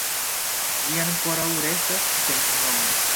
Ĝi ankoraŭ restas sen nomo.